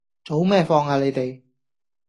早咩放呀你哋